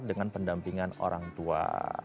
dengan pendampingan orang tua